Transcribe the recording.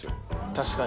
確かに。